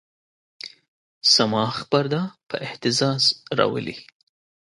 صماخ پرده په اهتزاز راولي.